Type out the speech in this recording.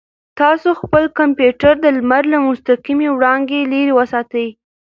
تاسو خپل کمپیوټر د لمر له مستقیمې وړانګې لرې وساتئ.